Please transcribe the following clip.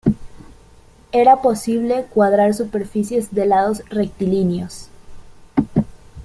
Era posible cuadrar superficies de lados rectilíneos.